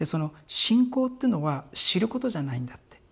信仰っていうのは知ることじゃないんだ」って。